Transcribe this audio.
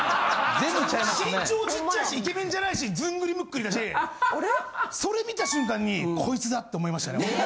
身長ちっちゃいしイケメンじゃないしずんぐりむっくりだしそれ見た瞬間にこいつだって思いましたね。